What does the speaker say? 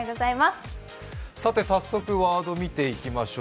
早速、ワード見ていきましょう。